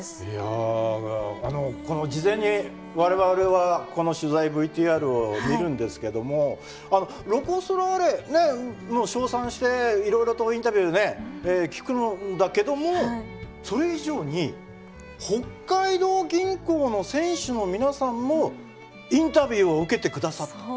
いや事前に我々はこの取材ＶＴＲを見るんですけどもロコ・ソラーレねっ称賛していろいろとインタビュー聞くんだけどもそれ以上に北海道銀行の選手の皆さんもインタビューを受けてくださった。